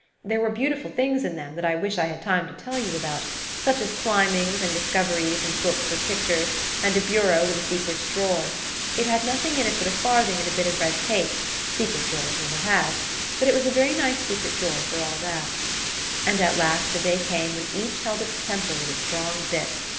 There were beautiful things in them that I wish I had time to tell you about–such as climbings and discoveries and books with pictures, and a bureau with a secret drawer. It had nothing in it but a farthing and a bit of red tape–secret drawers never have–but it was a very nice secret drawer for all that. And at last a day came when each held its temper with a strong bit.